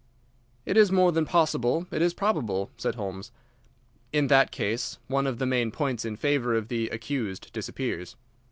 "It is more than possible; it is probable," said Holmes. "In that case one of the main points in favour of the accused disappears."